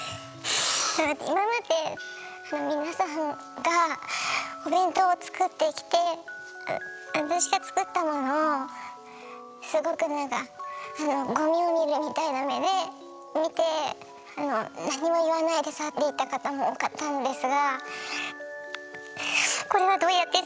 今まで皆さんがお弁当を作ってきて私が作ったものをすごくなんかゴミを見るみたいな目で見てあの何も言わないで去っていった方も多かったんですが。